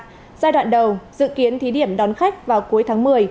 giai đoạn đầu dự kiến thí điểm đón khách vào cuối tháng một mươi